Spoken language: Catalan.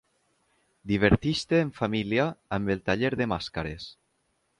Diverteix-te en família amb el taller de màscares.